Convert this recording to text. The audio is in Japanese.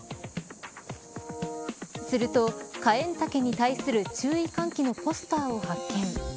すると、カエンタケに対する注意喚起のポスターを発見。